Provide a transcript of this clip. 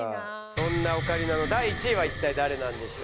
そんなオカリナの第１位は一体誰なんでしょうか？